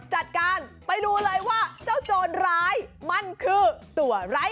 จัดการไปดูเลยว่าเจ้าโจรร้ายมันคือตัวไร้